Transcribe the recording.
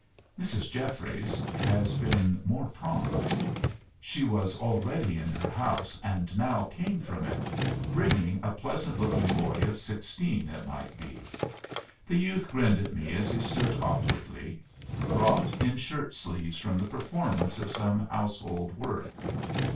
Mrs. Jeffries has been more prompt. She was already in her house, and now came from it, bringing a pleasant looking boy of sixteen, it might be. The youth grinned at me as he stood awkwardly, brought in shirtsleeves from the performance of some household work.